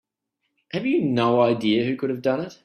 Have you no idea who could have done it?